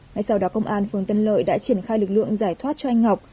ngay sau đó công an phường tân lợi đã triển khai lực lượng giải thoát cho anh ngọc